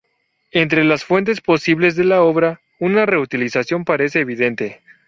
Entre las fuentes posibles de la obra, una reutilización parece evidente.